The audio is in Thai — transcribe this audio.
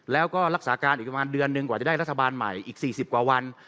แล้วก็รักษาการอีกประมาณเดือนหนึ่งกว่าจะได้รัฐบาลใหม่อีก๔๐กว่าวัน